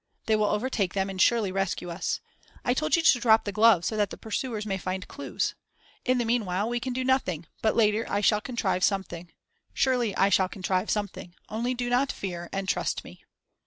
They will overtake them and surely rescue us. I told you to drop the gloves so that the pursuers may find clews. In the meanwhile we can do nothing, but later I shall contrive something Surely, I shall contrive something; only do not fear, and trust me."